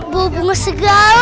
buah bunga segala lagi